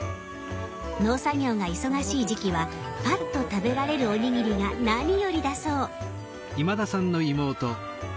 農作業が忙しい時期はパッと食べられるおにぎりが何よりだそう。